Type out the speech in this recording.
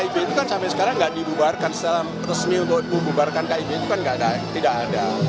kib itu kan sampai sekarang nggak dibubarkan secara resmi untuk membubarkan kib itu kan tidak ada